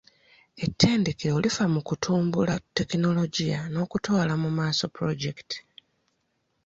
Ettendekero lifa ku kutumbula tekinologiya n'okutwala mu maaso pulojekiti.